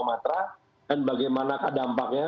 matra dan bagaimana dampaknya